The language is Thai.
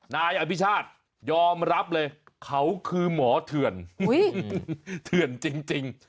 นายอภิชาติยอมรับเลยเขาคือหมอเถื่อนเถื่อนจริง